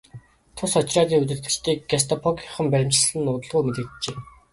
Тус отрядын удирдагчдыг гестапогийнхан баривчилсан нь удалгүй мэдэгджээ.